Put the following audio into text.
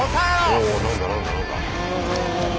おお何だ何だ何だ？